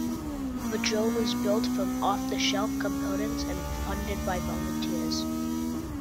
The drone was built from off the shelf components and funded by volunteers.